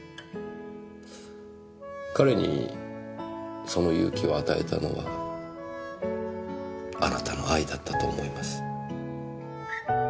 彼にその勇気を与えたのはあなたの愛だったと思います。